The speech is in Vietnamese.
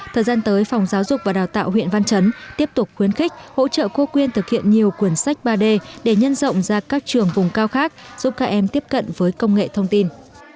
thời gian tới phòng giáo dục và đào tạo huyện văn chấn tiếp tục khuyến khích hỗ trợ cô quyên thực hiện nhiều quyển sách ba d để nhân rộng ra các trường vùng cao khác giúp các em tiếp cận với công nghệ thông tin